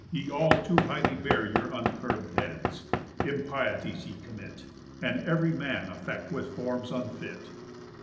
Ye all too highly bear Your uncurb'd heads. Impieties ye commit, And ev'ry man affect with forms unfit."